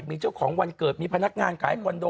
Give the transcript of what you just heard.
มีเจ้าของวันเกิดมีพนักงานขายคอนโด